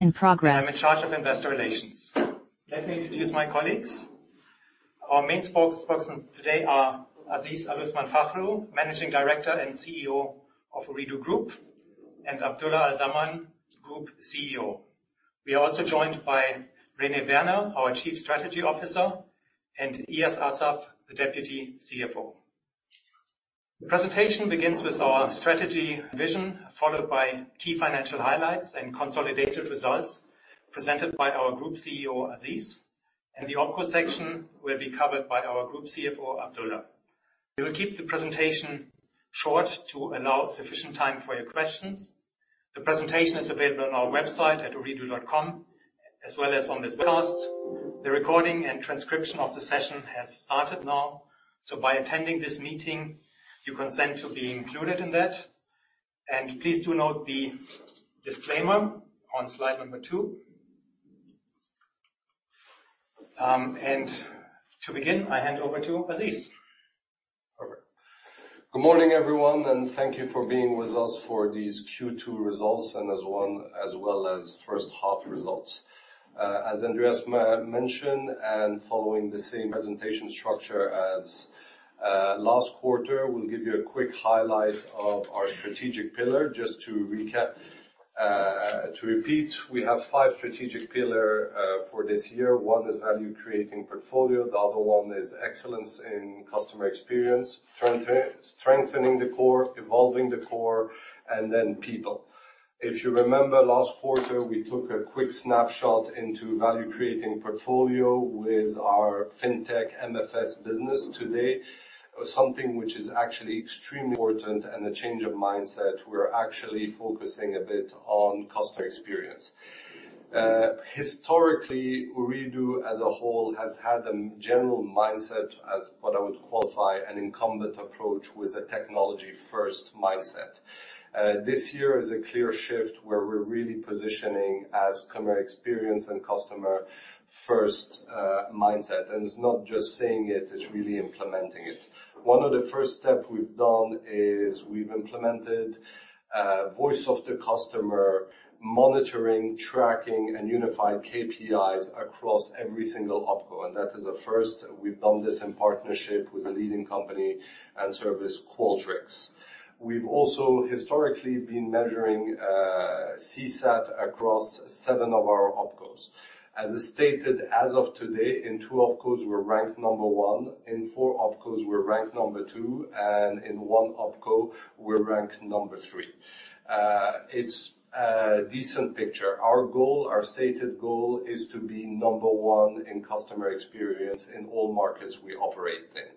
In progress. I'm in charge of investor relations. Let me introduce my colleagues. Our main spokespersons today are Aziz Aluthman Fakhroo, Managing Director and CEO of Ooredoo Group, and Abdulla Al Zaman, Group CFO. We are also joined by René Werner, our Chief Strategy Officer, and Eyas Assaf, the Deputy CFO. The presentation begins with our strategy vision, followed by key financial highlights and consolidated results presented by our Group CEO, Aziz. The OPCO section will be covered by our Group CFO, Abdulla. We will keep the presentation short to allow sufficient time for your questions. The presentation is available on our website at ooredoo.com, as well as on this webcast. The recording and transcription of the session has started now, so by attending this meeting, you consent to be included in that. Please do note the disclaimer on slide number two. To begin, I hand over to Aziz. Perfect. Good morning, everyone, and thank you for being with us for these Q2 results as well as first half results. As Andreas mentioned and following the same presentation structure as last quarter, we'll give you a quick highlight of our strategic pillar. Just to recap, to repeat, we have five strategic pillar for this year. One is value creating portfolio. The other one is excellence in customer experience, strengthening the core, evolving the core, and then people. If you remember last quarter, we took a quick snapshot into value creating portfolio with our FinTech MFS business. Today, something which is actually extremely important and a change of mindset, we're actually focusing a bit on customer experience. Historically, Ooredoo as a whole has had a general mindset as what I would qualify an incumbent approach with a technology-first mindset. This year is a clear shift where we're really positioning as customer experience and customer first, mindset. It's not just saying it's really implementing it. One of the first step we've done is we've implemented, voice of the customer monitoring, tracking, and unified KPIs across every single OPCO, and that is a first. We've done this in partnership with a leading company and service, Qualtrics. We've also historically been measuring, CSAT across 7 of our OPCOs. As stated, as of today, in 2 OPCOs, we're ranked number 1, in 4 OPCOs, we're ranked number 2, and in 1 OPCO, we're ranked number 3. It's a decent picture. Our goal, our stated goal is to be number 1 in customer experience in all markets we operate in.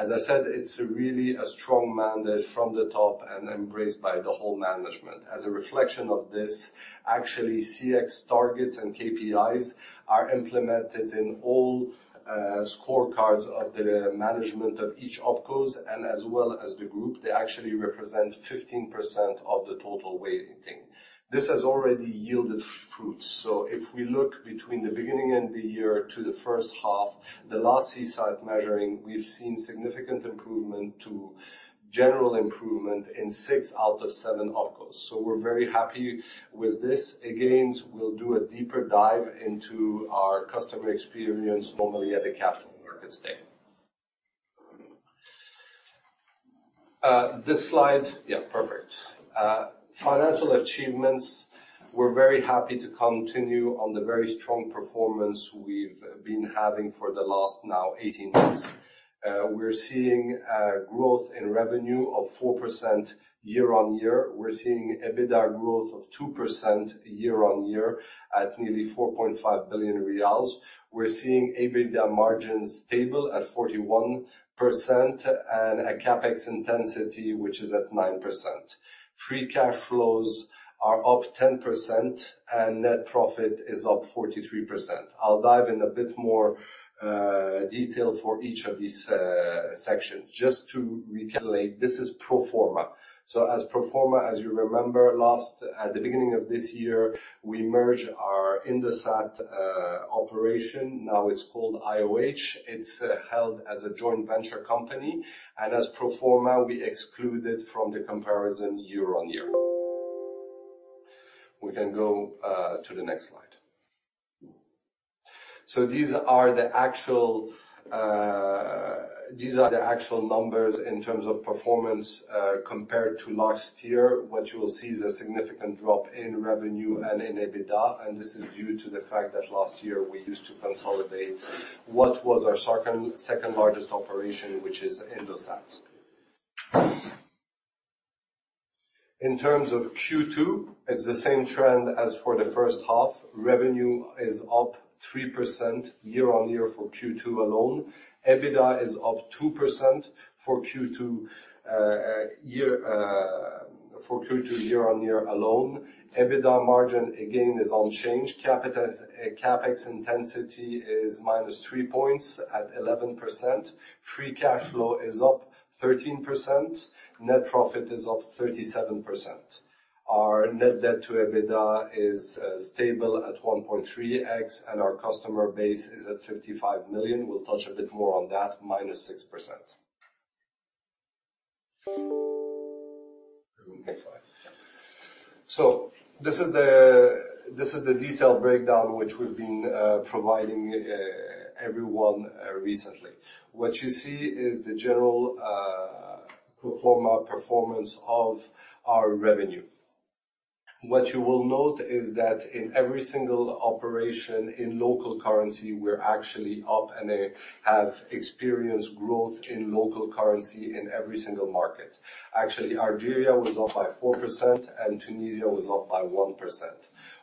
As I said, it's really a strong mandate from the top and embraced by the whole management. As a reflection of this, actually, CX targets and KPIs are implemented in all scorecards of the management of each OPCOs and as well as the group. They actually represent 15% of the total weighting. This has already yielded fruits. If we look between the beginning of the year to the first half, the last CSAT measurement, we've seen significant improvement to general improvement in six out of seven OPCOs. We're very happy with this. Again, we'll do a deeper dive into our customer experience normally at the Capital Markets Day. This slide. Yeah, perfect. Financial achievements. We're very happy to continue on the very strong performance we've been having for the last now 18 months. We're seeing growth in revenue of 4% year-on-year. We're seeing EBITDA growth of 2% year-on-year at nearly 4.5 billion riyals. We're seeing EBITDA margins stable at 41% and a CapEx intensity which is at 9%. Free cash flows are up 10% and net profit is up 43%. I'll dive in a bit more detail for each of these sections. Just to recapitulate, this is pro forma. As pro forma, as you remember, at the beginning of this year, we merged our Indosat operation. Now it's called IOH. It's held as a joint venture company. As pro forma, we exclude it from the comparison year-on-year. We can go to the next slide. These are the actual numbers in terms of performance compared to last year. What you will see is a significant drop in revenue and in EBITDA, and this is due to the fact that last year we used to consolidate what was our second largest operation, which is Indosat. In terms of Q2, it's the same trend as for the first half. Revenue is up 3% year-on-year for Q2 alone. EBITDA is up 2% for Q2 year-on-year alone. EBITDA margin, again, is unchanged. CapEx intensity is minus three points at 11%. Free cash flow is up 13%. Net profit is up 37%. Our net debt to EBITDA is stable at 1.3x, and our customer base is at 55 million. We'll touch a bit more on that, -6%. This is the detailed breakdown which we've been providing everyone recently. What you see is the general pro forma performance of our revenue. What you will note is that in every single operation in local currency, we're actually up and have experienced growth in local currency in every single market. Actually, Algeria was up by 4% and Tunisia was up by 1%.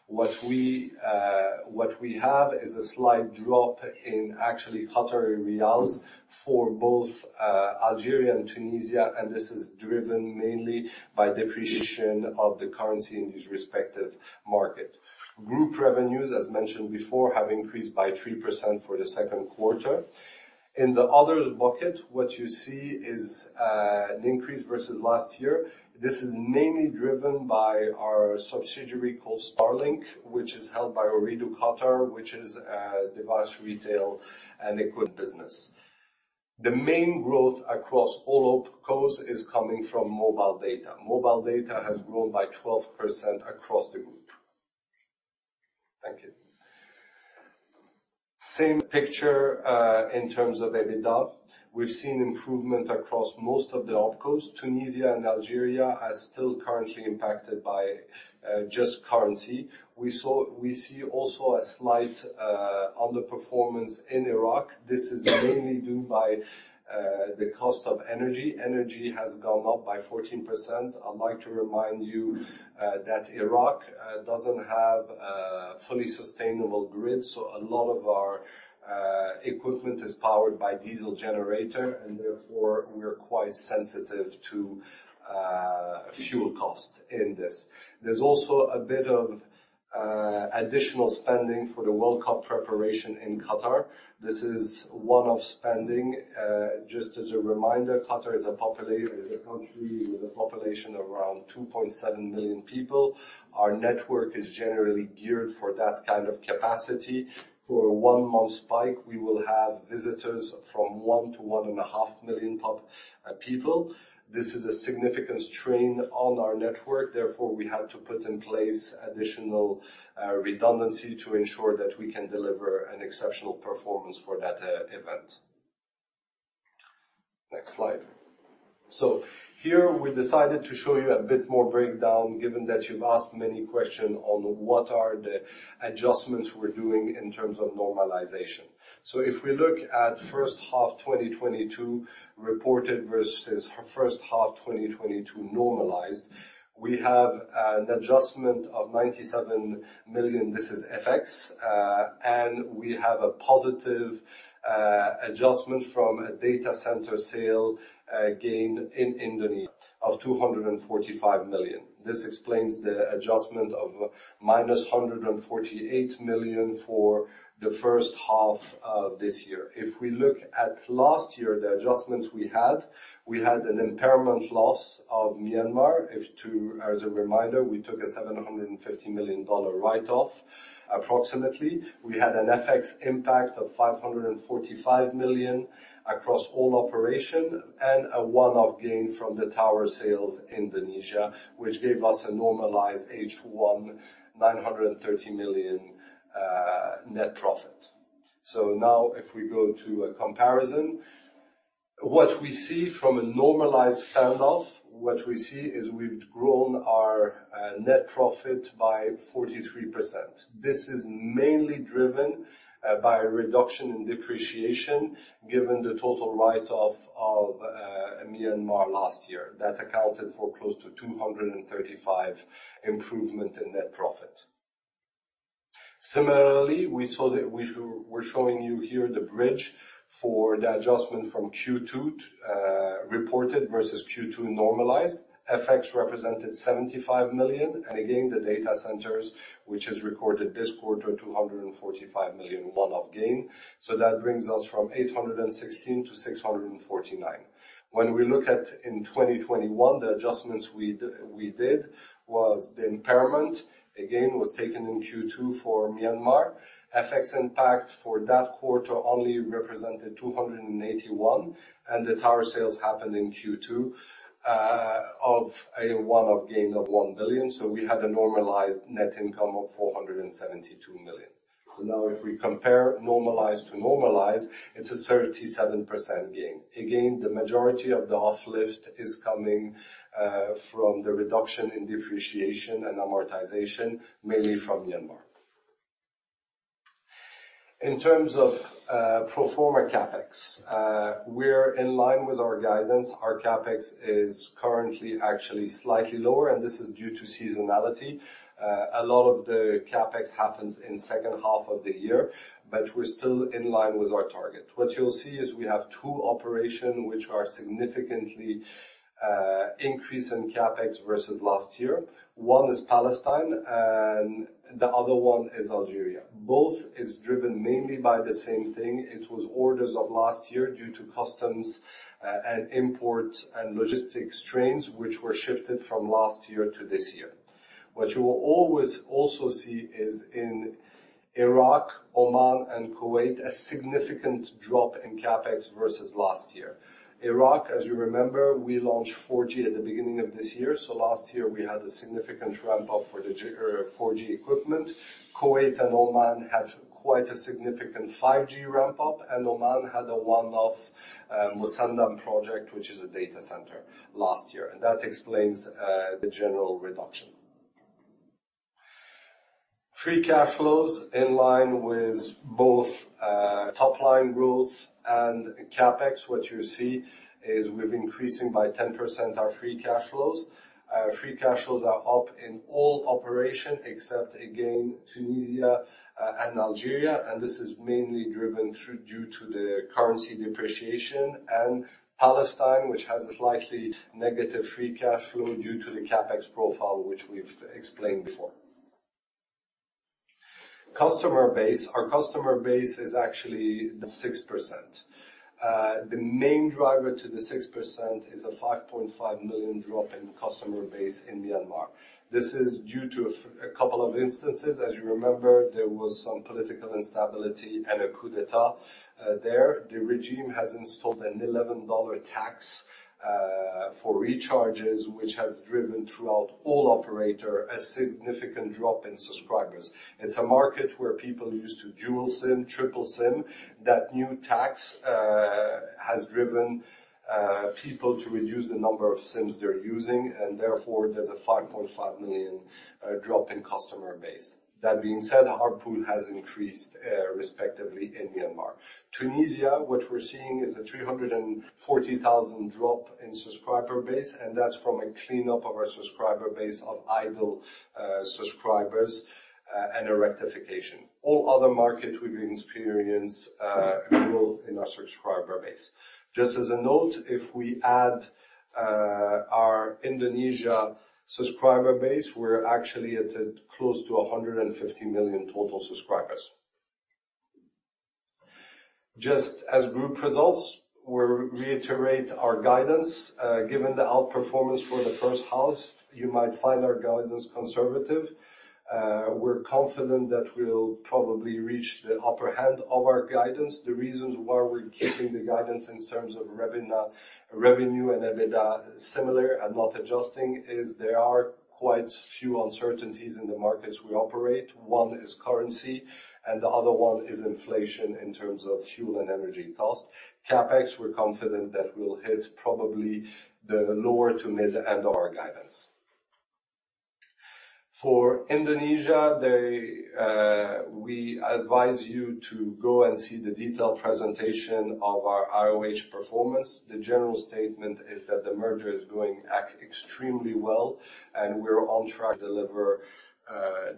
What we have is a slight drop in actually Qatari riyals for both Algeria and Tunisia, and this is driven mainly by depreciation of the currency in these respective market. Group revenues, as mentioned before, have increased by 3% for the second quarter. In the other bucket, what you see is an increase versus last year. This is mainly driven by our subsidiary called Starlink, which is held by Ooredoo Qatar, which is a device retail and equipment business. The main growth across all OPCOs is coming from mobile data. Mobile data has grown by 12% across the group. Thank you. Same picture in terms of EBITDA. We've seen improvement across most of the OPCOs. Tunisia and Algeria are still currently impacted by just currency. We see also a slight underperformance in Iraq. This is mainly due to the cost of energy. Energy has gone up by 14%. I'd like to remind you that Iraq doesn't have a fully sustainable grid, so a lot of our equipment is powered by diesel generator, and therefore we are quite sensitive to fuel cost in this. There's also a bit of additional spending for the World Cup preparation in Qatar. This is one-off spending. Just as a reminder, Qatar is a country with a population around 2.7 million people. Our network is generally geared for that kind of capacity. For a one-month spike, we will have visitors from 1 to 1.5 million people. This is a significant strain on our network. Therefore, we had to put in place additional redundancy to ensure that we can deliver an exceptional performance for that event. Next slide. Here we decided to show you a bit more breakdown, given that you've asked many question on what are the adjustments we're doing in terms of normalization. If we look at first half 2022 reported versus first half 2022 normalized, we have an adjustment of 97 million. This is FX. We have a positive adjustment from a data center sale gain in Indonesia of 245 million. This explains the adjustment of -148 million for the first half of this year. If we look at last year, the adjustments we had, we had an impairment loss of Myanmar. As a reminder, we took a $750 million write-off, approximately. We had an FX impact of 545 million across all operations and a one-off gain from the tower sales Indonesia, which gave us a normalized H1 930 million net profit. Now if we go to a comparison, what we see from a normalized standpoint is we've grown our net profit by 43%. This is mainly driven by a reduction in depreciation, given the total write-off of Myanmar last year. That accounted for close to 235 million improvement in net profit. We saw that we're showing you here the bridge for the adjustment from Q2 reported versus Q2 normalized. FX represented 75 million. The data centers, which has recorded this quarter 245 million one-off gain. That brings us from 816 million to 649 million. When we look at 2021, the adjustments we did was the impairment, again, was taken in Q2 for Myanmar. FX impact for that quarter only represented 281 million, and the tower sales happened in Q2 of a one-off gain of 1 billion. We had a normalized net income of 472 million. Now if we compare normalized to normalized, it's a 37% gain. Again, the majority of the uplift is coming from the reduction in depreciation and amortization, mainly from Myanmar. In terms of pro forma CapEx, we're in line with our guidance. Our CapEx is currently actually slightly lower, and this is due to seasonality. A lot of the CapEx happens in second half of the year, but we're still in line with our target. What you'll see is we have two operations which are significantly increasing in CapEx versus last year. One is Palestine and the other one is Algeria. Both is driven mainly by the same thing. It was orders of last year due to customs, and import and logistics strains, which were shifted from last year to this year. What you will always also see is in Iraq, Oman, and Kuwait, a significant drop in CapEx versus last year. Iraq, as you remember, we launched 4G at the beginning of this year. So last year we had a significant ramp-up for 4G equipment. Kuwait and Oman had quite a significant 5G ramp-up, and Oman had a one-off, Musandam project, which is a data center last year. That explains the general reduction. Free cash flows in line with both, top line growth and CapEx. What you see is we're increasing by 10% our free cash flows. Free cash flows are up in all operations except again, Tunisia and Algeria, and this is mainly driven due to the currency depreciation and Palestine, which has a slightly negative free cash flow due to the CapEx profile which we've explained before. Customer base. Our customer base is actually 6%. The main driver to the 6% is a 5.5 million drop in customer base in Myanmar. This is due to a couple of instances. As you remember, there was some political instability and a coup d'état, there. The regime has installed a $11 tax for recharges, which has driven throughout all operators a significant drop in subscribers. It's a market where people used to dual SIM, triple SIM. That new tax has driven people to reduce the number of SIMs they're using, and therefore there's a 5.5 million drop in customer base. That being said, ARPU has increased respectively in Myanmar. Tunisia, what we're seeing is a 340,000 drop in subscriber base, and that's from a cleanup of our subscriber base of idle subscribers and a rectification. All other markets we've experienced growth in our subscriber base. Just as a note, if we add our Indonesia subscriber base, we're actually at close to 150 million total subscribers. Just as group results, we reiterate our guidance. Given the outperformance for the first half, you might find our guidance conservative. We're confident that we'll probably reach the upper hand of our guidance. The reasons why we're keeping the guidance in terms of revenue and EBITDA similar and not adjusting are quite a few uncertainties in the markets we operate. One is currency, and the other one is inflation in terms of fuel and energy costs. CapEx, we're confident that we'll hit probably the lower to mid end of our guidance. For Indonesia, we advise you to go and see the detailed presentation of our IOH performance. The general statement is that the merger is going extremely well, and we're on track to deliver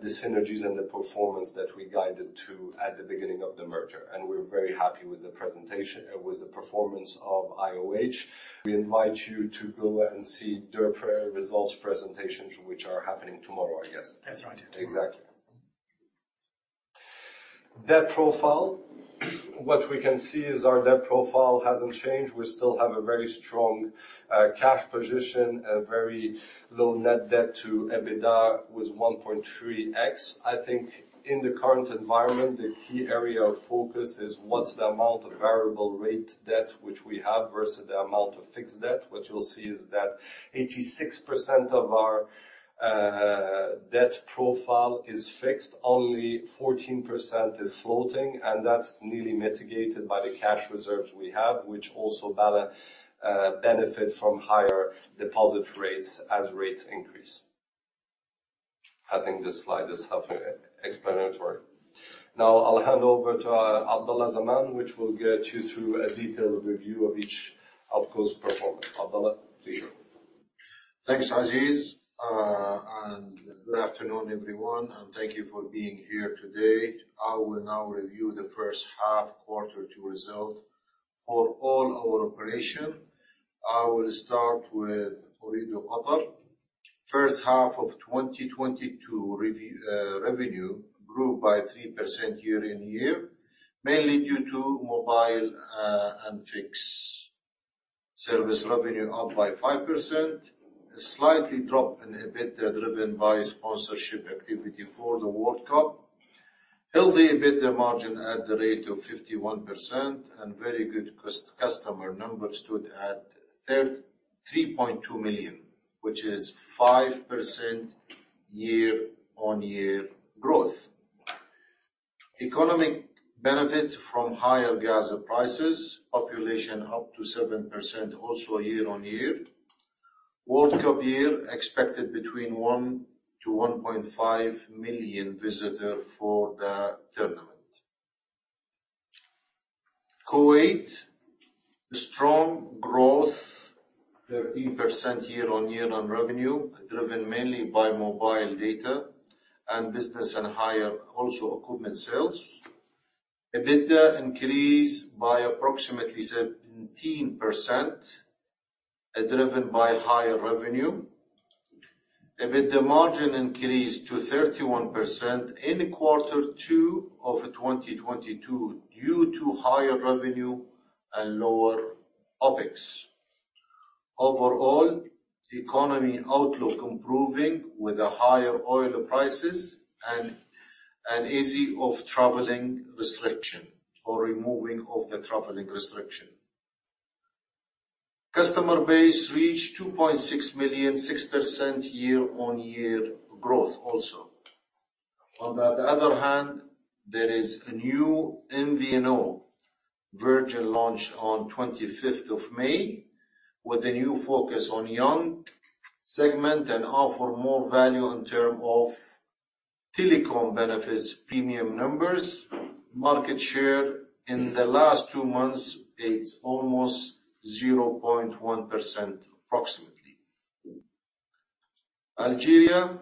the synergies and the performance that we guided to at the beginning of the merger, and we're very happy with the performance of IOH. We invite you to go and see their pre results presentations, which are happening tomorrow, I guess. That's right. Exactly. Debt profile. What we can see is our debt profile hasn't changed. We still have a very strong cash position, a very low net debt to EBITDA with 1.3x. I think in the current environment, the key area of focus is what's the amount of variable rate debt which we have versus the amount of fixed debt. What you'll see is that 86% of our debt profile is fixed. Only 14% is floating, and that's nearly mitigated by the cash reserves we have, which also benefit from higher deposit rates as rates increase. I think this slide is self-explanatory. Now I'll hand over to Abdulla Al Zaman, who will get you through a detailed review of each OPCO's performance. Abdulla Al Zaman, please share. Thanks, Aziz, and good afternoon, everyone, and thank you for being here today. I will now review the first half quarter two results for all our operations. I will start with Ooredoo Qatar. First half of 2022 revenue grew by 3% year-on-year, mainly due to mobile and fixed service revenue up by 5%. A slight drop in EBITDA, driven by sponsorship activity for the World Cup. Healthy EBITDA margin at the rate of 51% and very good customer numbers stood at 3.2 million, which is 5% year-on-year growth. Economic benefit from higher gas prices, population up 7% also year-on-year. World Cup year expected between 1-1.5 million visitors for the tournament. Kuwait, strong growth, 13% year-on-year on revenue, driven mainly by mobile data and business and higher equipment sales also. EBITDA increased by approximately 17%, driven by higher revenue. EBITDA margin increased to 31% in quarter two of 2022 due to higher revenue and lower OpEx. Overall, economic outlook improving with higher oil prices and easing of travel restrictions or removal of the travel restrictions. Customer base reached 2.6 million, 6% year-on-year growth also. On the other hand, there is a new MVNO, Virgin Mobile launched on 25th of May, with a new focus on young segment and offer more value in terms of telecom benefits premium numbers. Market share in the last two months is almost 0.1%, approximately. Algeria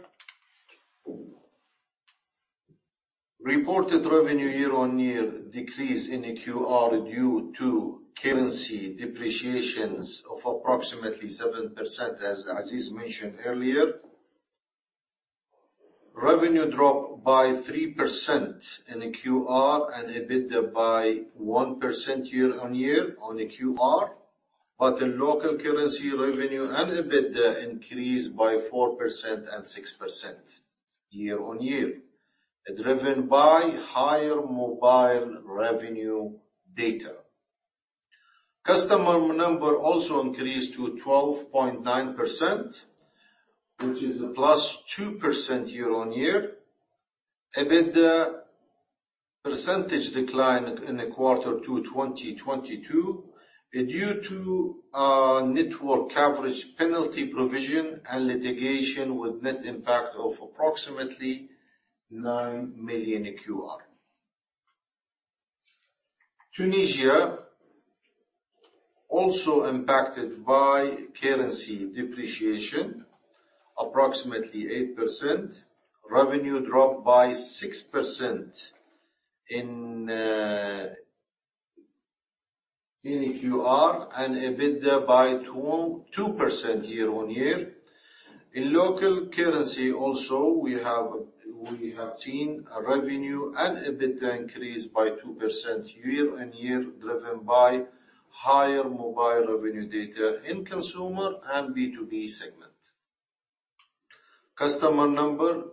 reported revenue year-on-year decrease in Q2 due to currency depreciation of approximately 7%, as is mentioned earlier. Revenue dropped by 3% in Q2 and EBITDA by 1% year-on-year in Q2. Local currency revenue and EBITDA increased by 4% and 6% year-on-year, driven by higher mobile revenue data. Customer number also increased to 12.9%, which is a +2% year-on-year. EBITDA percentage declined in the quarter to 2022 due to network coverage penalty provision and litigation with net impact of approximately 9 million QAR. Tunisia also impacted by currency depreciation, approximately 8%. Revenue dropped by 6% in QAR and EBITDA by 2% year-on-year. In local currency also, we have seen a revenue and EBITDA increase by 2% year-on-year, driven by higher mobile revenue data in consumer and B2B segment. Customer number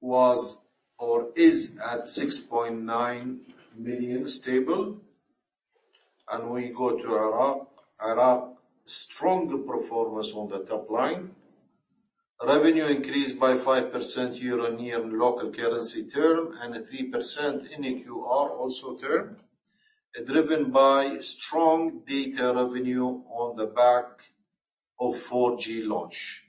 was or is at 6.9 million stable. We go to Iraq. Iraq, strong performance on the top line. Revenue increased by 5% year-on-year in local currency terms and 3% in QAR terms, driven by strong data revenue on the back of 4G launch.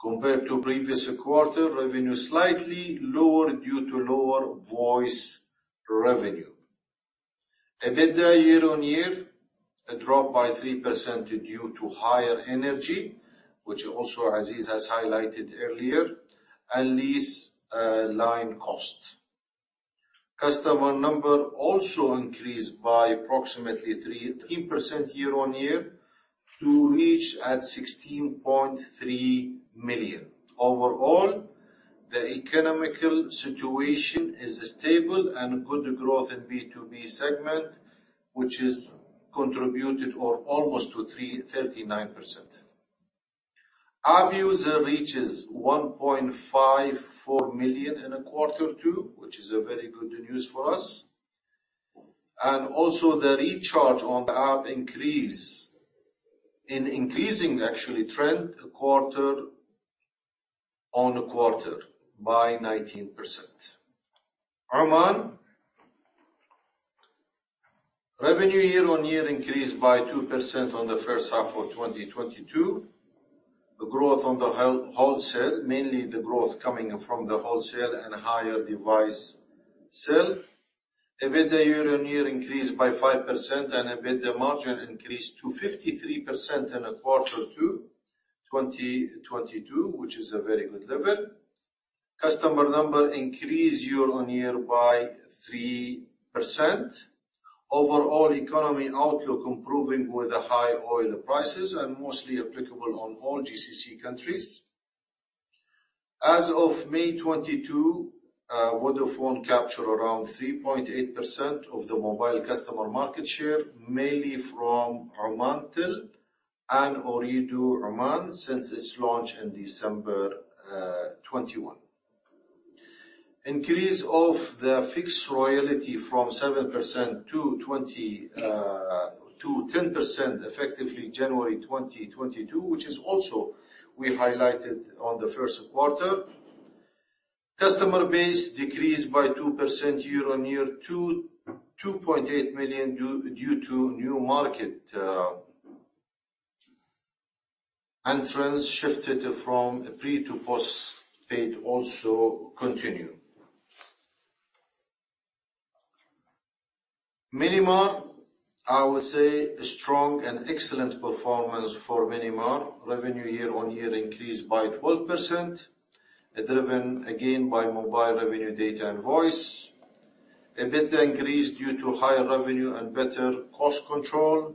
Compared to previous quarter, revenue slightly lower due to lower voice revenue. EBITDA year-on-year dropped by 3% due to higher energy, which also Aziz has highlighted earlier, and lease line cost. Customer number also increased by approximately 3% year-on-year to reach at 16.3 million. Overall, the economic situation is stable and good growth in B2B segment, which is contributed or almost to 39%. App user reaches 1.54 million in quarter two, which is a very good news for us. Also the recharge on the app is increasing actually trend quarter-on-quarter by 19%. Oman. Revenue year-over-year increased by 2% in the first half of 2022. The growth in wholesale, mainly the growth coming from the wholesale and higher device sale. EBITDA year-over-year increased by 5% and EBITDA margin increased to 53% in Q2 2022, which is a very good level. Customer number increased year-over-year by 3%. Overall economy outlook improving with the high oil prices and mostly applicable on all GCC countries. As of May 2022, Vodafone capture around 3.8% of the mobile customer market share, mainly from Omantel and Ooredoo Oman since its launch in December 2021. Increase of the fixed royalty from 7% to ten percent effectively January 2022, which is also we highlighted on the first quarter. Customer base decreased by 2% year-on-year to 2.8 million due to new market entrants. Shifted from pre to post-paid also continue. Myanmar, I would say a strong and excellent performance for Myanmar. Revenue year-on-year increased by 12%, driven again by mobile revenue data and voice. EBITDA increased due to higher revenue and better cost control.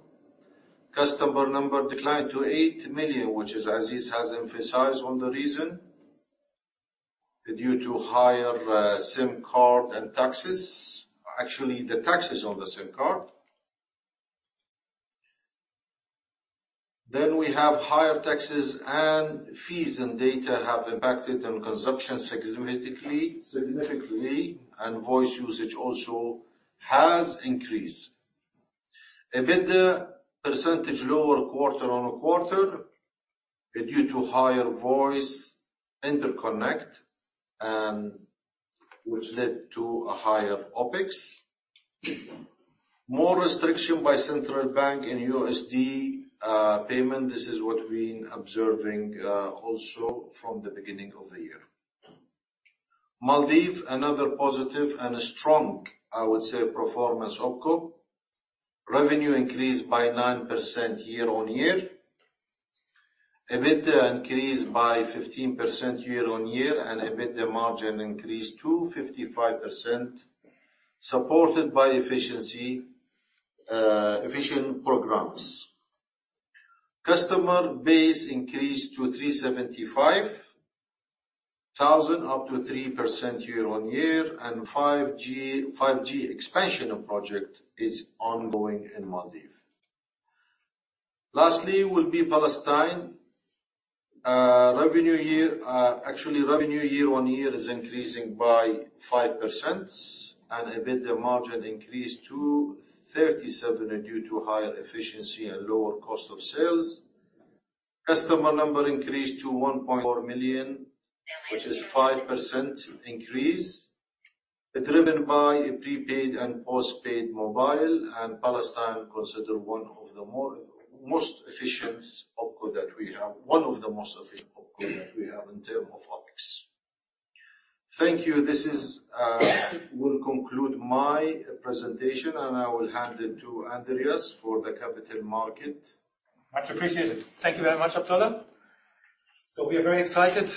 Customer number declined to 8 million, which is as Aziz has emphasized on the reason due to higher SIM card and taxes. Actually, the taxes on the SIM card. We have higher taxes and fees, and data have impacted on consumption significantly, and voice usage also has increased. EBITDA percentage lower quarter-on-quarter due to higher voice interconnect, which led to a higher OpEx. More restriction by Central Bank in USD payment. This is what we've been observing also from the beginning of the year. Maldives, another positive and strong, I would say, performance OpCo. Revenue increased by 9% year-on-year. EBITDA increased by 15% year-on-year, and EBITDA margin increased to 55%, supported by efficiency, efficient programs. Customer base increased to 375,000, up 3% year-on-year, and 5G expansion project is ongoing in Maldives. Lastly, Palestine. Actually, revenue year-on-year is increasing by 5%, and EBITDA margin increased to 37% due to higher efficiency and lower cost of sales. Customer number increased to 1.4 million, which is 5% increase, driven by a prepaid and postpaid mobile, and Palestine is considered one of the most efficient OpCos that we have. One of the most efficient OpCos that we have in terms of OpEx. Thank you. This will conclude my presentation, and I will hand it to Andreas for the Capital Markets Day. Much appreciated. Thank you very much, Abdulla. We are very excited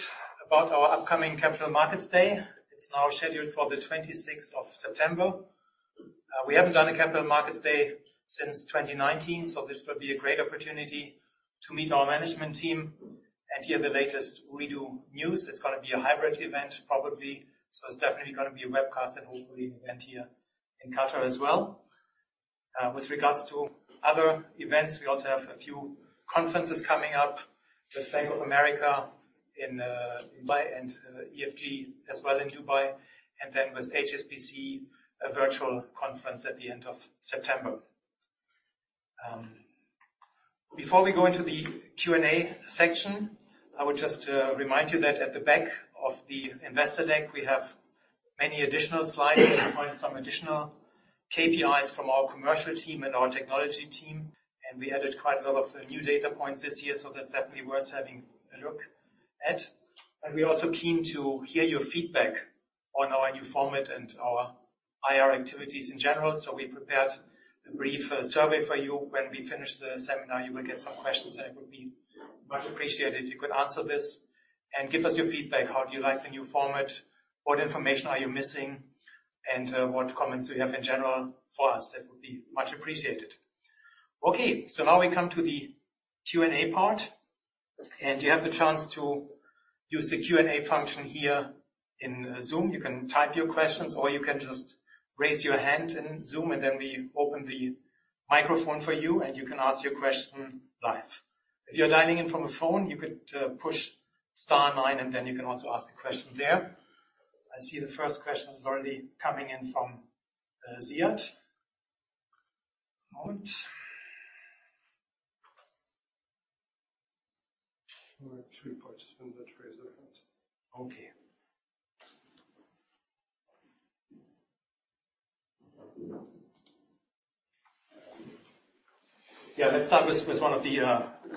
about our upcoming Capital Markets Day. It's now scheduled for the 26th of September. We haven't done a Capital Markets Day since 2019, so this will be a great opportunity to meet our management team and hear the latest Ooredoo news. It's gonna be a hybrid event probably, so it's definitely gonna be a webcast and hopefully an event here in Qatar as well. With regards to other events, we also have a few conferences coming up with Bank of America in Dubai and EFG as well in Dubai, and then with HSBC, a virtual conference at the end of September. Before we go into the Q&A section, I would just remind you that at the back of the investor deck, we have many additional slides that provide some additional KPIs from our commercial team and our technology team, and we added quite a lot of new data points this year, so that's definitely worth having a look at. We're also keen to hear your feedback on our new format and our IR activities in general, so we prepared a brief survey for you. When we finish the seminar, you will get some questions, and it would be much appreciated if you could answer this and give us your feedback. How do you like the new format? What information are you missing? What comments do you have in general for us? It would be much appreciated. Okay, now we come to the Q&A part, and you have the chance to use the Q&A function here in Zoom. You can type your questions, or you can just raise your hand in Zoom, and then we open the microphone for you, and you can ask your question live. If you're dialing in from a phone, you could push star nine, and then you can also ask a question there. I see the first question is already coming in from Ziad. Hold. There are three participants that raise their hand. Okay. Yeah, let's start with one of the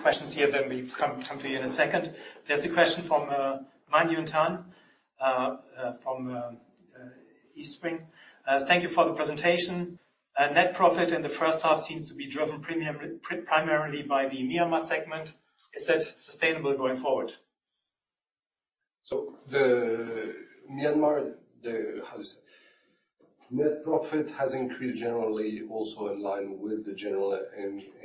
questions here, then we come to you in a second. There's a question from Man Yiu Tan from Eastspring. Thank you for the presentation. Net profit in the first half seems to be driven primarily by the Myanmar segment. Is that sustainable going forward? Myanmar net profit has increased generally also in line with the general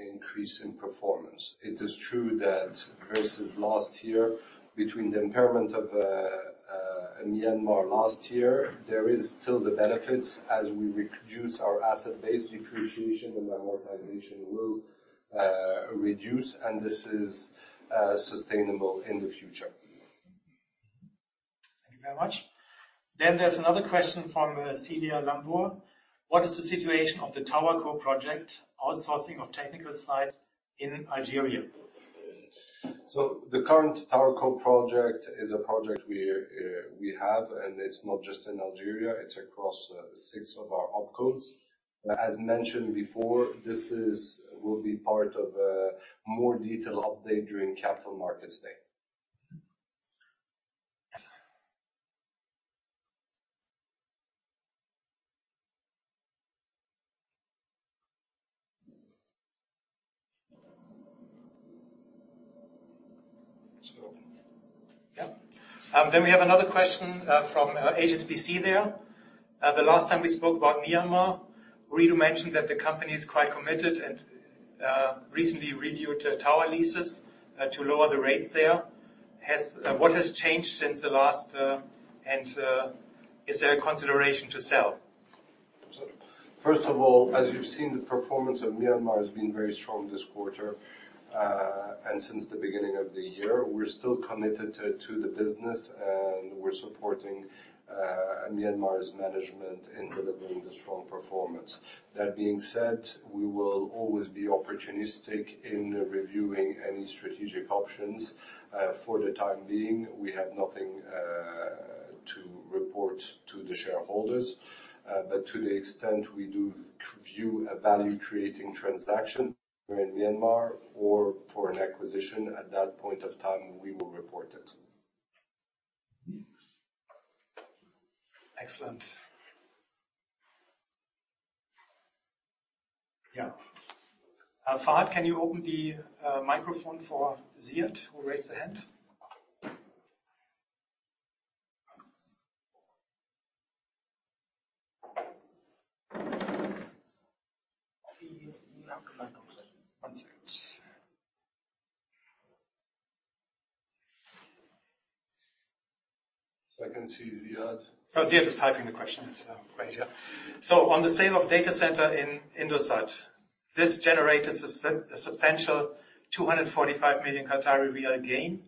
increase in performance. It is true that versus last year, between the impairment of Myanmar last year, there is still the benefits as we reduce our asset base depreciation, and amortization will reduce, and this is sustainable in the future. Thank you very much. There's another question from Celia Lambour. What is the situation of the TowerCo project outsourcing of technical sites in Algeria? The current TowerCo project is a project we have, and it's not just in Algeria, it's across six of our OpCos. As mentioned before, this will be part of a more detailed update during Capital Markets Day. Yeah. We have another question from HSBC there. The last time we spoke about Myanmar, Ooredoo mentioned that the company is quite committed and recently renewed tower leases to lower the rates there. What has changed since the last and is there a consideration to sell? First of all, as you've seen, the performance of Myanmar has been very strong this quarter. Since the beginning of the year, we're still committed to the business and we're supporting Myanmar's management in delivering the strong performance. That being said, we will always be opportunistic in reviewing any strategic options. For the time being, we have nothing to report to the shareholders. To the extent we do view a value creating transaction in Myanmar or for an acquisition, at that point of time we will report it. Excellent. Yeah. Fahd, can you open the microphone for Ziad, who raised their hand? One second. I can see Ziad. Oh, Ziad is typing the question. It's right here. On the sale of data center in Indosat, this generated substantial 245 million gain.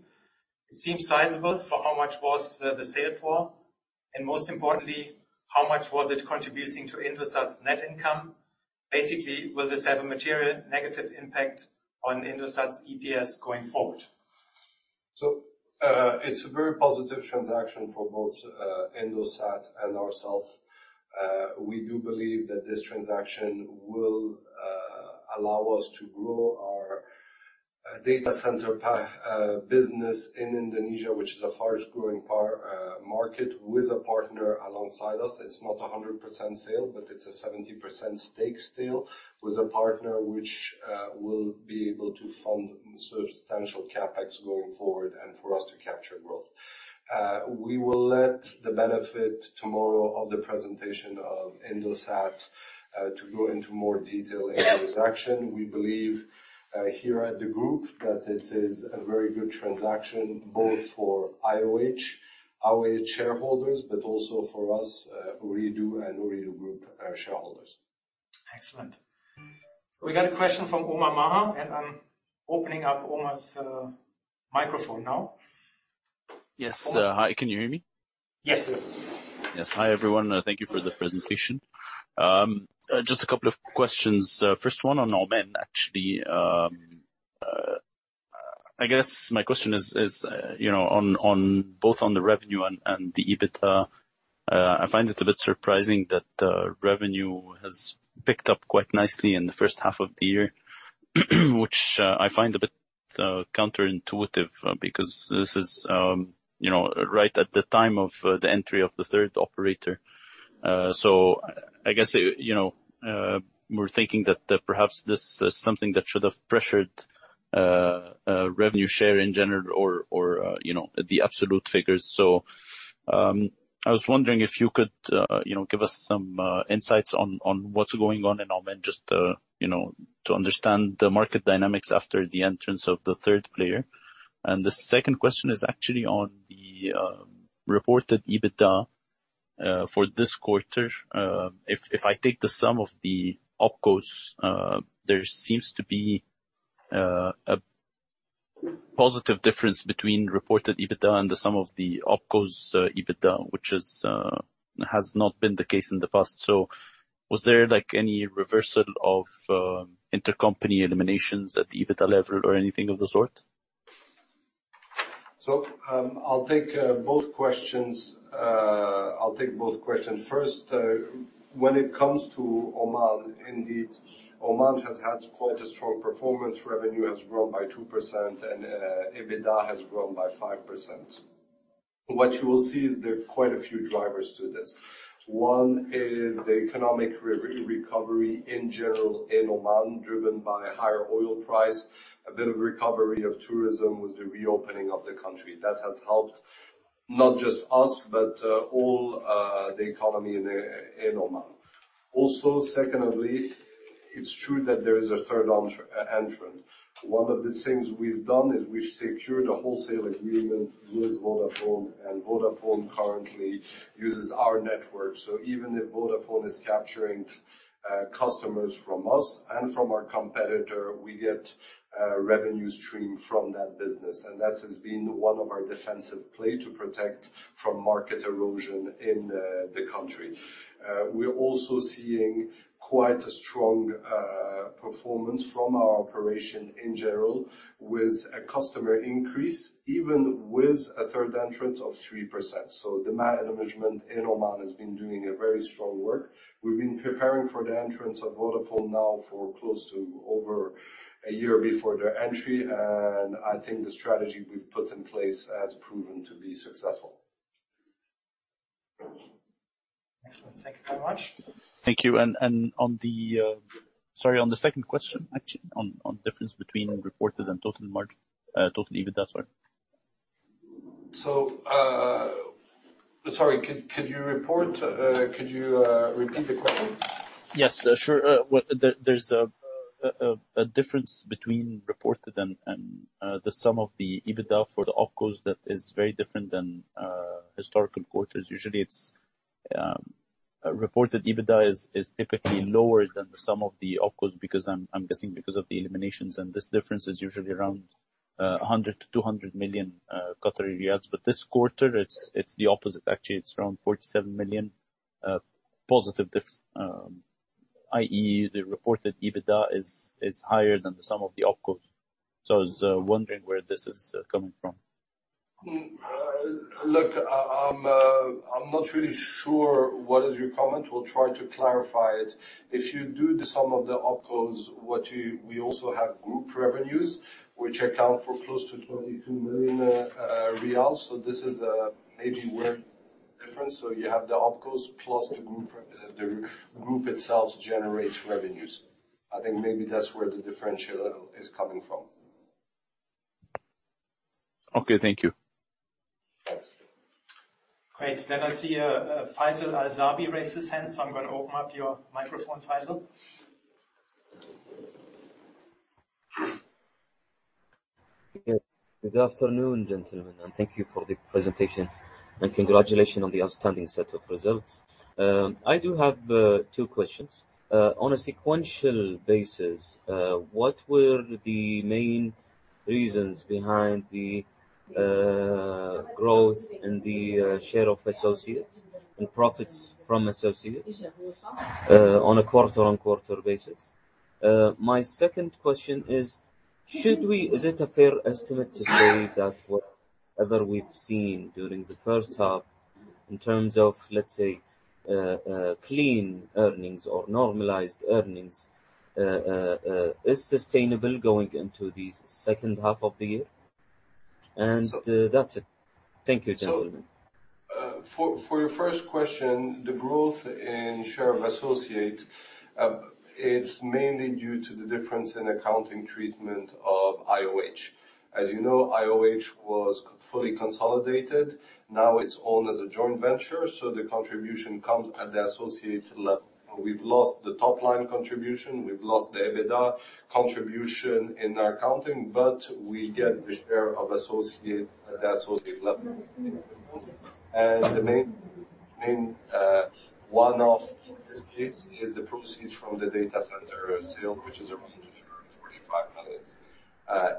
It seems sizable. For how much was the sale for? And most importantly, how much was it contributing to Indosat's net income? Basically, will this have a material negative impact on Indosat's EPS going forward? It's a very positive transaction for both Indosat and ourselves. We do believe that this transaction will allow us to grow our data center business in Indonesia, which is the fastest-growing market with a partner alongside us. It's not a 100% sale, but it's a 70% stake sale with a partner which will be able to fund substantial CapEx going forward and for us to capture growth. We will let the benefit tomorrow of the presentation of Indosat to go into more detail in the transaction. We believe here at the group that it is a very good transaction both for IOH shareholders, but also for us Ooredoo and Ooredoo Group shareholders. Excellent. We got a question from Omar Maher, and I'm opening up Omar's microphone now. Yes. Hi, can you hear me? Yes. Yes. Hi, everyone. Thank you for the presentation. Just a couple of questions. First one on Oman, actually. I guess my question is, you know, on both the revenue and the EBITDA. I find it a bit surprising that revenue has picked up quite nicely in the first half of the year, which I find a bit counterintuitive, because this is, you know, right at the time of the entry of the third operator. I guess, you know, we're thinking that perhaps this is something that should have pressured revenue share in general or, you know, the absolute figures. I was wondering if you could, you know, give us some insights on what's going on in Oman just to, you know, to understand the market dynamics after the entrance of the third player. The second question is actually on the reported EBITDA for this quarter. If I take the sum of the OpCos, there seems to be a positive difference between reported EBITDA and the sum of the OpCos EBITDA, which has not been the case in the past. Was there like any reversal of intercompany eliminations at the EBITDA level or anything of the sort? I'll take both questions. First, when it comes to Oman, indeed, Oman has had quite a strong performance. Revenue has grown by 2% and EBITDA has grown by 5%. What you will see is there are quite a few drivers to this. One is the economic recovery in general in Oman, driven by higher oil price, a bit of recovery of tourism with the reopening of the country. That has helped not just us, but all the economy in Oman. Also, secondly, it's true that there is a third entrant. One of the things we've done is we've secured a wholesale agreement with Vodafone, and Vodafone currently uses our network. So even if Vodafone is capturing customers from us and from our competitor, we get a revenue stream from that business. That has been one of our defensive play to protect from market erosion in the country. We're also seeing quite a strong performance from our operation in general with a customer increase even with a third entry of 3%. The management in Oman has been doing a very strong work. We've been preparing for the entry of Vodafone now for close to over a year before their entry. I think the strategy we've put in place has proven to be successful. Excellent. Thank you very much. Thank you. Sorry, on the second question, actually, on difference between reported and total margin, total EBITDA, sorry. Sorry, could you repeat the question? Yes, sure. Well, there is a difference between reported and the sum of the EBITDA for the OpCos that is very different than historical quarters. Usually reported EBITDA is typically lower than the sum of the OpCos because I'm guessing because of the eliminations, and this difference is usually around 100-200 million. This quarter it's the opposite. Actually, it's around 47 million positive diff, i.e., the reported EBITDA is higher than the sum of the OpCos. I was wondering where this is coming from. Look, I'm not really sure what is your comment. We'll try to clarify it. If you do the sum of the OpCos, we also have group revenues, which account for close to 22 million riyals. This is maybe where difference. You have the OpCos plus the group itself generates revenues. I think maybe that's where the differential is coming from. Okay. Thank you. Thanks. Great. I see Faisal Alzaabi raise his hand, so I'm gonna open up your microphone, Faisal. Good afternoon, gentlemen, and thank you for the presentation. Congratulations on the outstanding set of results. I do have two questions. On a sequential basis, what were the main reasons behind the growth in the share of associates and profits from associates, on a quarter-on-quarter basis? My second question is it a fair estimate to say that whatever we've seen during the first half in terms of, let's say, clean earnings or normalized earnings, is sustainable going into the second half of the year? That's it. Thank you, gentlemen. For your first question, the growth in share of associates, it's mainly due to the difference in accounting treatment of IOH. As you know, IOH was fully consolidated. Now it's owned as a joint venture, so the contribution comes at the associate level. We've lost the top line contribution, we've lost the EBITDA contribution in our accounting, but we get the share of associate at the associate level. The main one-off in this case is the proceeds from the data center sale, which is around 245 million.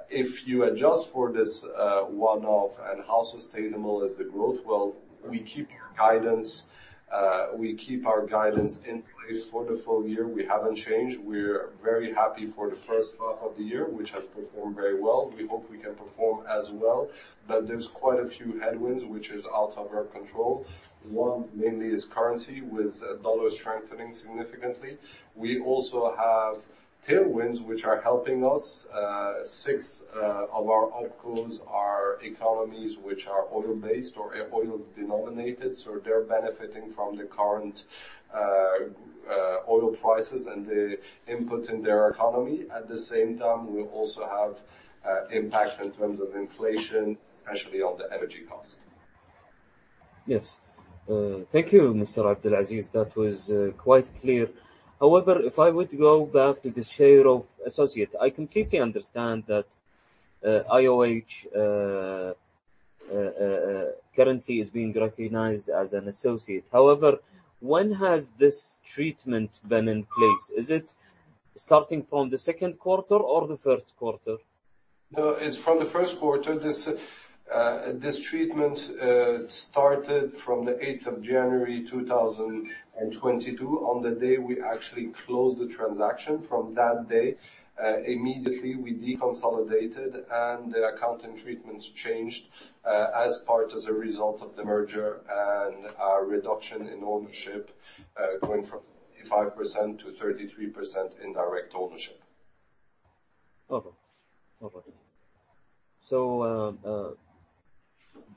If you adjust for this one-off and how sustainable is the growth, well, we keep our guidance in place for the full year. We haven't changed. We're very happy for the first half of the year, which has performed very well. We hope we can perform as well, but there's quite a few headwinds which is out of our control. One mainly is currency, with dollar strengthening significantly. We also have tailwinds, which are helping us. Six of our OPCOs are economies which are oil-based or oil-denominated, so they're benefiting from the current oil prices and the impact in their economy. At the same time, we also have impacts in terms of inflation, especially on the energy cost. Yes. Thank you, Mr. Abdulaziz. That was quite clear. However, if I were to go back to the share of associate, I completely understand that IOH currently is being recognized as an associate. However, when has this treatment been in place? Is it starting from the second quarter or the first quarter? No, it's from the first quarter. This treatment started from the eighth of January 2022. On the day we actually closed the transaction. From that day, immediately we deconsolidated and the accounting treatments changed, as a result of the merger and our reduction in ownership, going from 35% to 33% in direct ownership.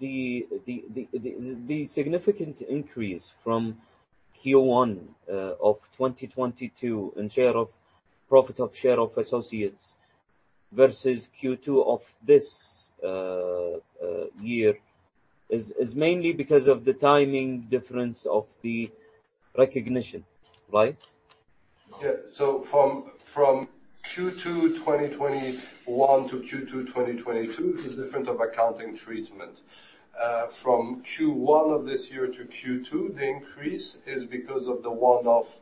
The significant increase from Q1 of 2022 in share of profit of associates versus Q2 of this year is mainly because of the timing difference of the recognition, right? Yeah. From Q2 2021 to Q2 2022 is difference in accounting treatment. From Q1 of this year to Q2, the increase is because of the one-off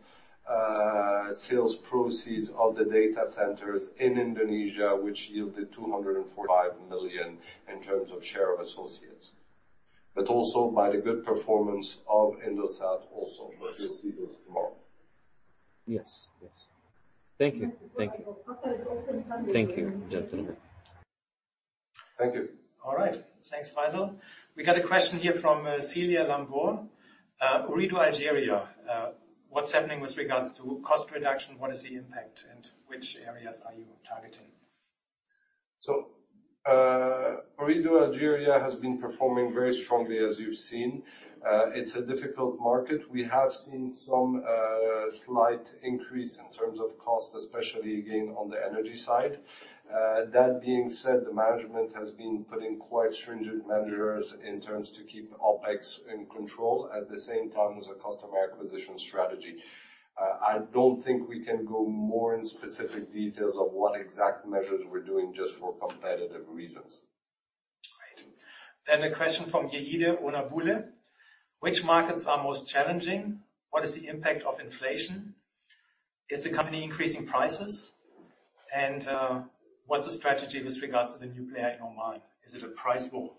sales proceeds of the data centers in Indonesia, which yielded 245 million in terms of share of associates. Also by the good performance of Indosat, which you will see those tomorrow. Yes. Thank you. The floor is open for. Thank you, gentlemen. Thank you. All right. Thanks, Faisal. We got a question here from Celia Lambour. Ooredoo Algeria, what's happening with regards to cost reduction? What is the impact and which areas are you targeting? Ooredoo Algeria has been performing very strongly, as you've seen. It's a difficult market. We have seen some slight increase in terms of cost, especially again on the energy side. That being said, the management has been putting quite stringent measures in terms to keep OpEx in control at the same time as a customer acquisition strategy. I don't think we can go more in specific details of what exact measures we're doing just for competitive reasons. Great. A question from Yewande Onabule. Which markets are most challenging? What is the impact of inflation? Is the company increasing prices? And, what's the strategy with regards to the new player in Oman? Is it a price war?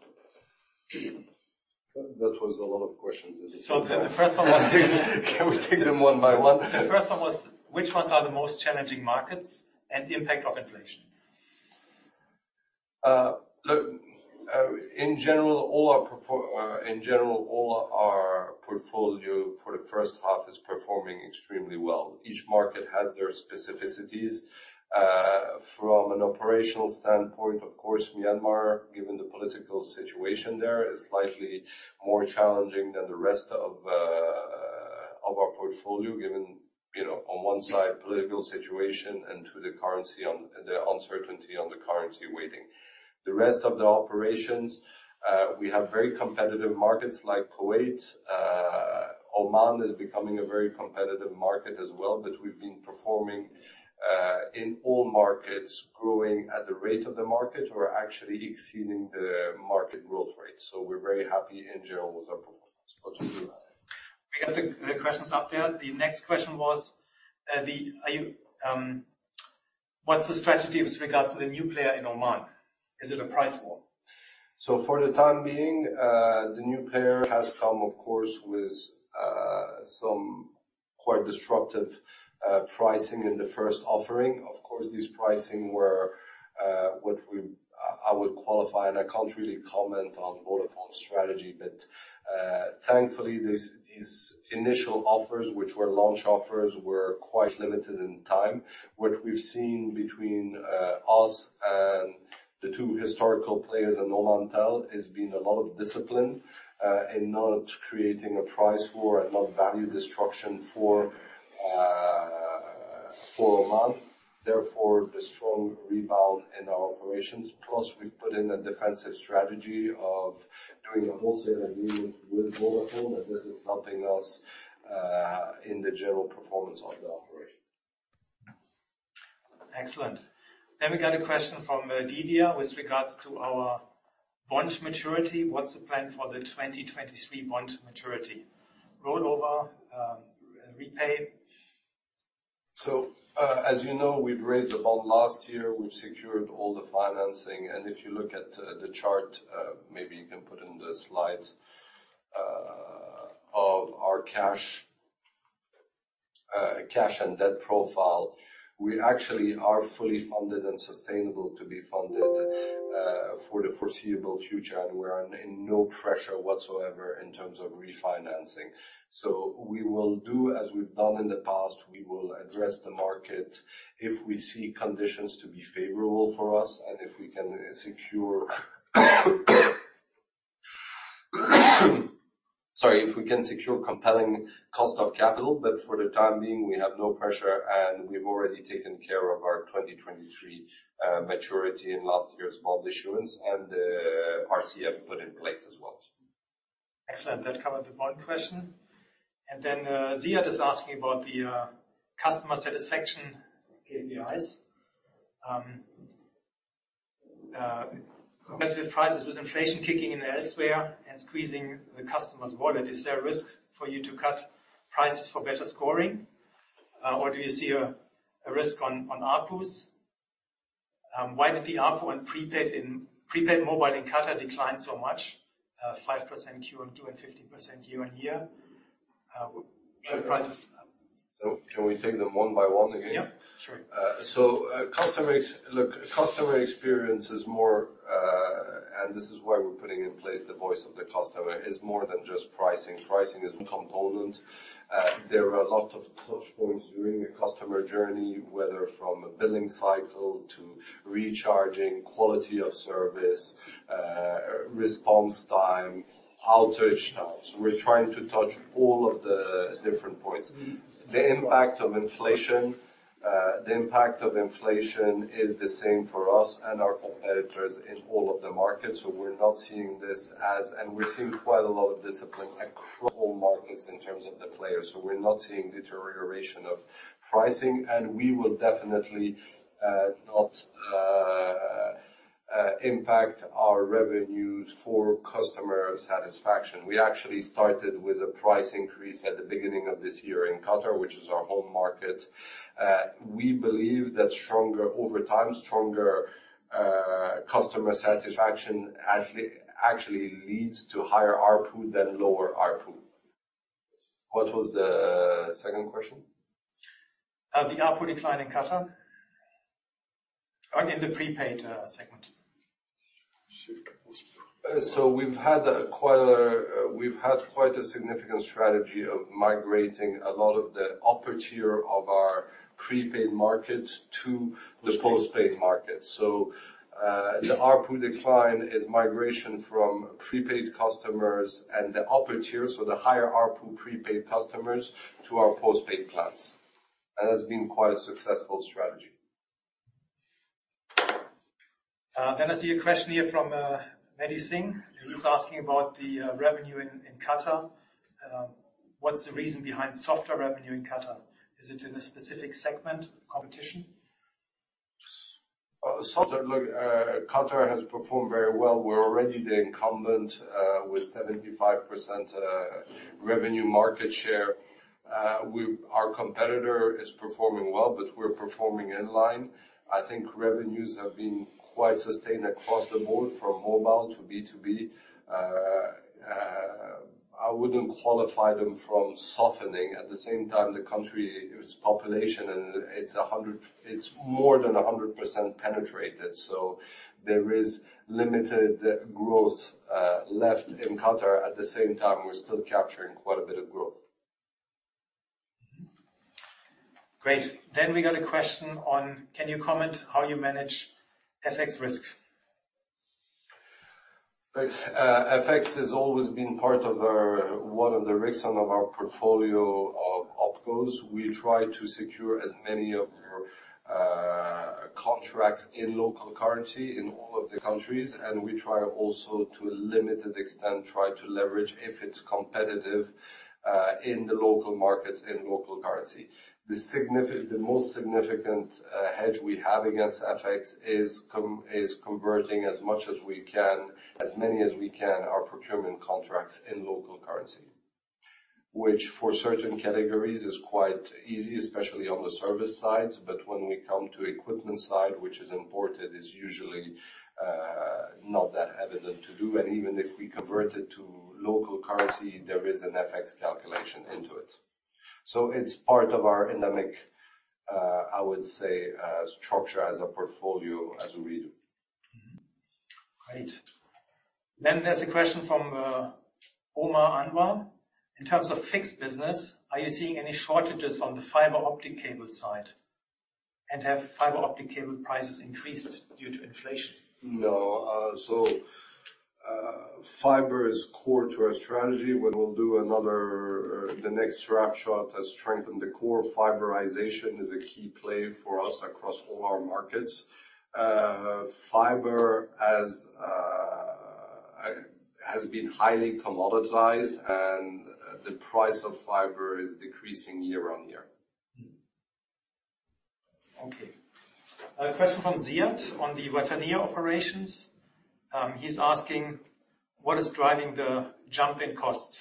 That was a lot of questions in the same. The first one was. Can we take them one by one? The first one was, which ones are the most challenging markets and the impact of inflation? In general, all our portfolio for the first half is performing extremely well. Each market has their specificities. From an operational standpoint, of course, Myanmar, given the political situation there, is slightly more challenging than the rest of our portfolio, given, you know, on one side, political situation and two, the uncertainty on the currency weighting. The rest of the operations, we have very competitive markets like Kuwait. Oman is becoming a very competitive market as well, but we've been performing in all markets, growing at the rate of the market or actually exceeding the market growth rate. We're very happy in general with our performance. We got the questions up there. The next question was, What's the strategy with regards to the new player in Oman? Is it a price war? For the time being, the new player has come, of course, with some quite disruptive pricing in the first offering. Of course, these pricing were, I would qualify, and I can't really comment on Vodafone's strategy, but, thankfully, these initial offers, which were launch offers, were quite limited in time. What we've seen between us and the two historical players in Omantel has been a lot of discipline in not creating a price war and not value destruction for Oman, therefore, the strong rebound in our operations. Plus, we've put in a defensive strategy of doing a wholesale agreement with Vodafone, but this is helping us in the general performance of the operation. Excellent. We got a question from Didier with regards to our bond maturity. What's the plan for the 2023 bond maturity? Rollover? Repay? As you know, we've raised a bond last year. We've secured all the financing. If you look at the chart, maybe you can put in the slide of our cash and debt profile, we actually are fully funded and sustainable to be funded for the foreseeable future, and we're in no pressure whatsoever in terms of refinancing. We will do as we've done in the past. We will address the market if we see conditions to be favorable for us and if we can secure compelling cost of capital. For the time being, we have no pressure, and we've already taken care of our 2023 maturity in last year's bond issuance and RCF put in place as well. Excellent. That covered the bond question. Then, Ziad is asking about the customer satisfaction KPIs. Competitive prices with inflation kicking in elsewhere and squeezing the customer's wallet, is there a risk for you to cut prices for better scoring? Or do you see a risk on ARPUs? Why did the ARPU on prepaid mobile in Qatar decline so much, 5% Q-on-Q and 15% year-on-year? Sure. Prices. Can we take them one by one again? Yeah. Sure. Look, customer experience is more, and this is why we're putting in place the voice of the customer, is more than just pricing. Pricing is one component. There are a lot of touchpoints during a customer journey, whether from a billing cycle to recharging, quality of service, response time, outage time. We're trying to touch all of the different points. Mm-hmm. The impact of inflation is the same for us and our competitors in all of the markets. We're not seeing this as. We're seeing quite a lot of discipline across all markets in terms of the players. We're not seeing deterioration of pricing, and we will definitely not impact our revenues for customer satisfaction. We actually started with a price increase at the beginning of this year in Qatar, which is our home market. We believe that, over time, stronger customer satisfaction actually leads to higher ARPU than lower ARPU. What was the second question? The ARPU decline in Qatar. In the prepaid segment. Sure. We've had quite a significant strategy of migrating a lot of the upper tier of our prepaid market to the postpaid market. The ARPU decline is migration from prepaid customers and the upper tier, so the higher ARPU prepaid customers to our postpaid plans. That has been quite a successful strategy. I see a question here from Maddy Singh, who's asking about the revenue in Qatar. What's the reason behind softer revenue in Qatar? Is it in a specific segment, competition? Softer. Look, Qatar has performed very well. We're already the incumbent with 75% revenue market share. Our competitor is performing well, but we're performing in line. I think revenues have been quite sustained across the board from mobile to B2B. I wouldn't qualify them from softening. At the same time, the country's population and it's more than 100% penetrated, so there is limited growth left in Qatar. At the same time, we're still capturing quite a bit of growth. Great. We got a question on: can you comment how you manage FX risk? Look, FX has always been one of the risks of our portfolio of OpCos. We try to secure as many of our contracts in local currency in all of the countries, and we try also, to a limited extent, to leverage if it's competitive in the local markets, in local currency. The most significant hedge we have against FX is converting as much as we can, as many as we can, our procurement contracts in local currency. Which for certain categories is quite easy, especially on the service sides, but when we come to equipment side, which is imported, is usually not that evident to do. Even if we convert it to local currency, there is an FX calculation into it. It's part of our endemic, I would say, structure as a portfolio as we do. Great. There's a question from Omar Anwar. In terms of fixed business, are you seeing any shortages on the fiber optic cable side? And have fiber optic cable prices increased due to inflation? No, fiber is core to our strategy. The next roadshow has strengthened the core. Fiberization is a key play for us across all our markets. Fiber has been highly commoditized, and the price of fiber is decreasing year on year. Okay. A question from Ziad on the Wataniya operations. He's asking: what is driving the jump in cost?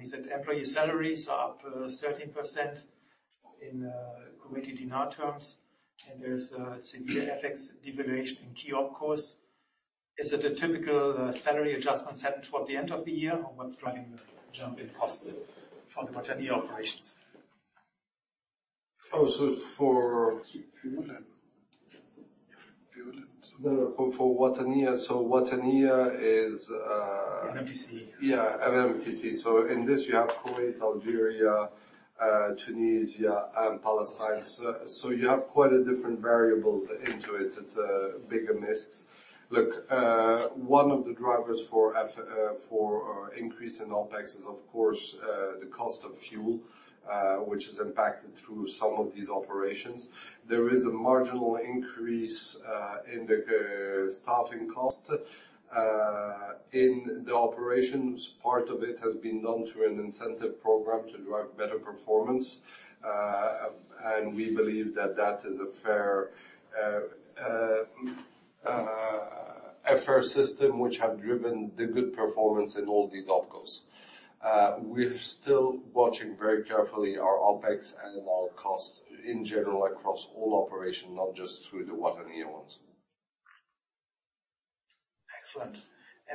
He said employee salaries are up 13% in Kuwaiti dinar terms, and there's a severe FX devaluation in key OpCos. Is it a typical salary adjustment set toward the end of the year, or what's driving the jump in cost for the Wataniya operations? Oh, so for... Fuel and different fuel and something. No, for Wataniya. Wataniya is, NMTC. Yeah, NMTC. In this you have Kuwait, Algeria, Tunisia, and Palestine. You have quite a different variables into it. It's a bigger mix. Look, one of the drivers for increase in OpEx is of course, the cost of fuel, which is impacted through some of these operations. There is a marginal increase in the staffing cost. In the operations, part of it has been done through an incentive program to drive better performance. We believe that is a fair system which have driven the good performance in all these OpCos. We're still watching very carefully our OpEx and all costs in general across all operations, not just through the Wataniya ones. Excellent.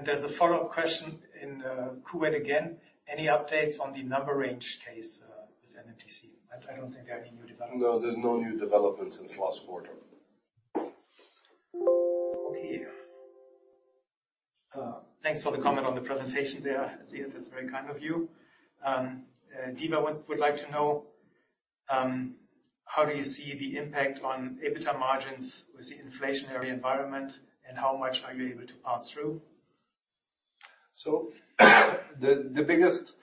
There's a follow-up question in Kuwait again. Any updates on the number range case with NMTC? I don't think there are any new developments. No, there's no new developments since last quarter. Okay. Thanks for the comment on the presentation there, Ziad. That's very kind of you. Divia would like to know how do you see the impact on EBITDA margins with the inflationary environment, and how much are you able to pass through? The biggest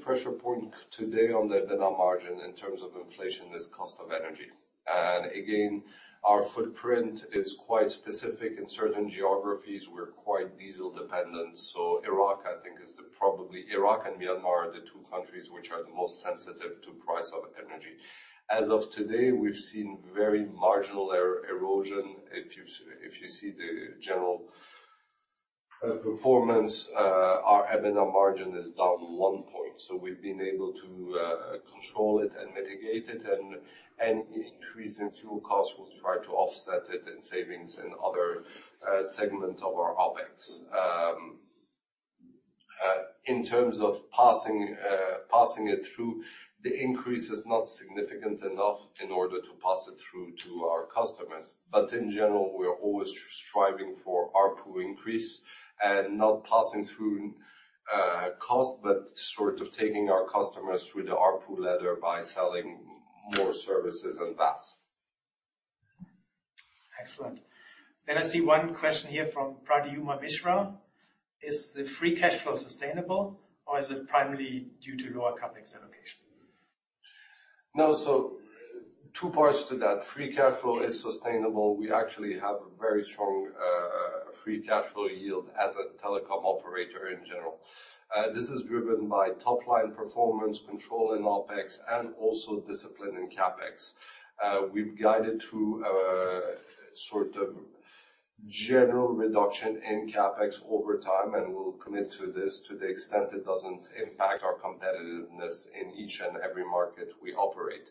pressure point today on the EBITDA margin in terms of inflation is cost of energy. Again, our footprint is quite specific. In certain geographies, we're quite diesel dependent. Iraq and Myanmar are the two countries which are the most sensitive to price of energy. As of today, we've seen very marginal erosion. If you see the general performance, our EBITDA margin is down 1%. We've been able to control it and mitigate it. Any increase in fuel costs, we'll try to offset it in savings in other segment of our OpEx. In terms of passing it through, the increase is not significant enough in order to pass it through to our customers. In general, we are always striving for ARPU increase and not passing through, cost, but sort of taking our customers through the ARPU ladder by selling more services en masse. Excellent. I see one question here from Pradyuman Mishra: Is the free cash flow sustainable, or is it primarily due to lower CapEx allocation? No. Two parts to that. Free cash flow is sustainable. We actually have a very strong free cash flow yield as a telecom operator in general. This is driven by top-line performance, control in OpEx, and also discipline in CapEx. We've guided to a sort of general reduction in CapEx over time, and we'll commit to this to the extent it doesn't impact our competitiveness in each and every market we operate.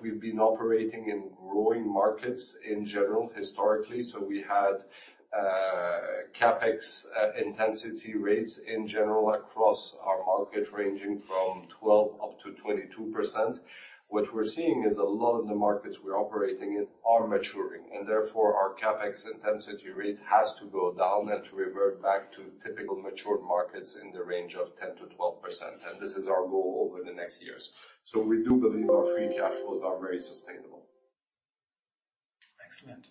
We've been operating in growing markets in general historically, so we had CapEx intensity rates in general across our market ranging from 12%-22%. What we're seeing is a lot of the markets we're operating in are maturing, and therefore our CapEx intensity rate has to go down and to revert back to typical mature markets in the range of 10%-12%, and this is our goal over the next years. We do believe our free cash flows are very sustainable. Excellent.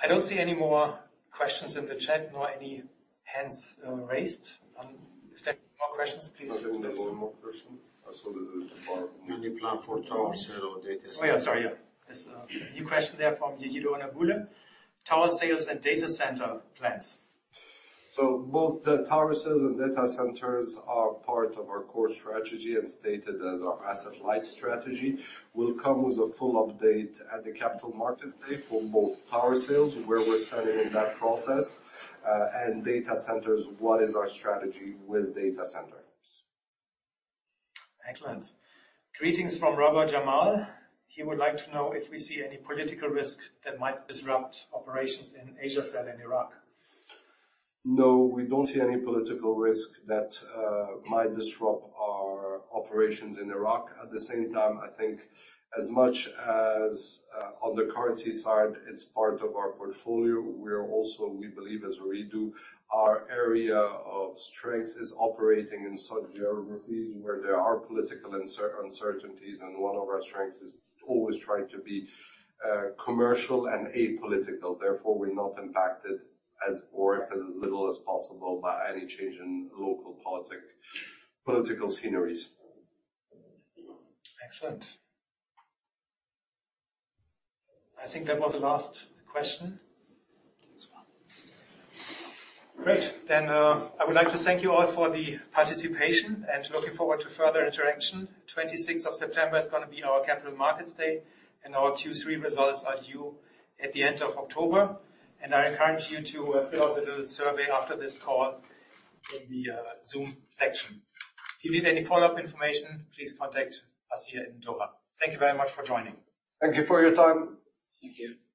I don't see any more questions in the chat, nor any hands raised. If there are more questions, please I think there's one more question. Any plan for tower sale or data center? Oh, yeah. Sorry. Yeah. There's a new question there from Ziad Al-Murshed. Tower sales and data center plans. Both the tower sales and data centers are part of our core strategy and stated as our asset-light strategy. We'll come with a full update at the Capital Markets Day for both tower sales, where we're standing in that process, and data centers, what is our strategy with data centers. Excellent. Greetings from Roham Jamal. He would like to know if we see any political risk that might disrupt operations in Asiacell in Iraq. No, we don't see any political risk that might disrupt our operations in Iraq. At the same time, I think as much as on the currency side, it's part of our portfolio. We believe as we do, our area of strengths is operating in such geographies where there are political uncertainties, and one of our strengths is always trying to be commercial and apolitical. Therefore, we're not impacted or as little as possible by any change in local political scenarios. Excellent. I think that was the last question. Great. I would like to thank you all for the participation and looking forward to further interaction. Twenty-sixth of September is gonna be our Capital Markets Day, and our Q3 results are due at the end of October. I encourage you to fill out the little survey after this call in the Zoom section. If you need any follow-up information, please contact us here in Doha. Thank you very much for joining. Thank you for your time. Thank you.